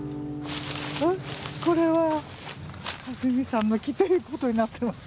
これは和美さんの木ということになってます。